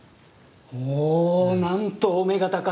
おなんとお目が高い！